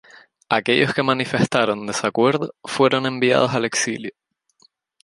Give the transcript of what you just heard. Aquellos que manifestaron desacuerdo fueron enviados al exilio.